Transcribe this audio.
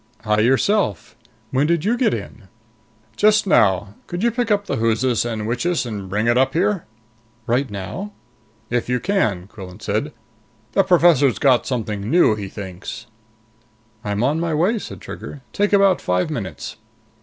"Hi, yourself. When did you get in?" "Just now. Could you pick up the whoosis and whichis and bring it up here?" "Right now?" "If you can," Quillan said. "The professor's got something new, he thinks." "I'm on my way," said Trigger. "Take about five minutes."